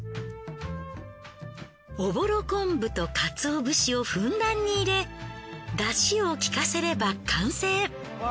おぼろ昆布と鰹節をふんだんに入れ出汁をきかせれば完成。